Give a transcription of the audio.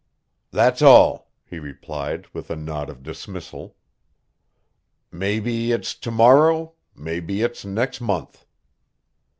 "That's all," he replied with a nod of dismissal. "Maybe it's to morrow maybe it's next month."